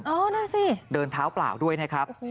นั่นสิเดินเท้าเปล่าด้วยนะครับ